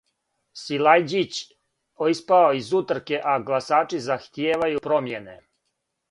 Силајђић испао из утрке, а гласачи захтијевају промјене